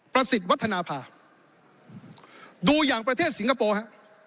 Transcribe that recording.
สิทธิ์วัฒนภาดูอย่างประเทศสิงคโปร์ฮะ